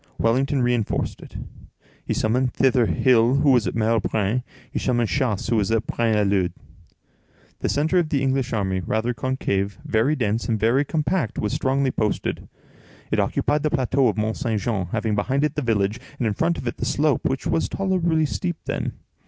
Wellington reinforced it. He summoned thither Hill, who was at Merle Braine; he summoned Chassé, who was at Braine l'Alleud. The centre of the English army, rather concave, very dense, and very compact, was strongly posted. It occupied the plateau of Mont Saint Jean, having behind it the village, and in front of it the slope, which was tolerably steep then.